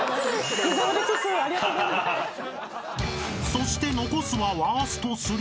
［そして残すはワースト３］